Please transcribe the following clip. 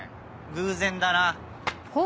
偶然だな！